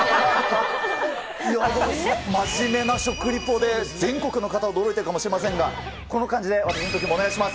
真面目な食リポで全国の方が驚いているかもしれませんが、この感じで、私のときもお願いします。